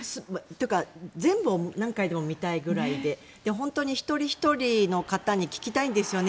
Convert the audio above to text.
というか、全部を何回でも見たいぐらいで本当に一人ひとりの方に聞きたいんですよね。